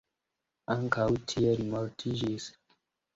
Ankaŭ tie li mortiĝis.